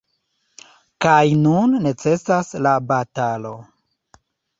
Kaj nun necesas la batalo.